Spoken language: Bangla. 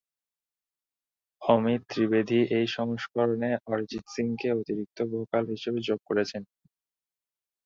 অমিত ত্রিবেদী এই সংস্করণে অরিজিৎ সিংকে অতিরিক্ত ভোকাল হিসেবে যোগ করেছেন।